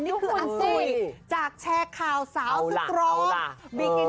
นี่คืออันตุ๋ยจากแชงขาวสาวสุตร้องเอาล่ะเอาล่ะเอาล่ะ